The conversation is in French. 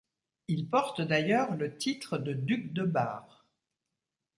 Il porte d'ailleurs le titre de duc de Bar.